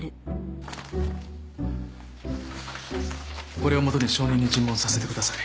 これを基に証人に尋問させてください。